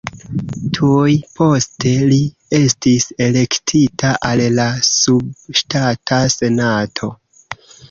Tuj poste li estis elektita al la subŝtata senato.